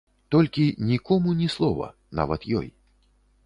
Толькі нікому ні слова, нават ёй.